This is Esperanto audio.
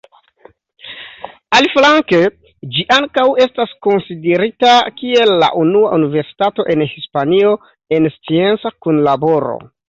Aliflanke, ĝi ankaŭ estas konsiderita kiel la unua universitato en Hispanio en scienca kunlaboro.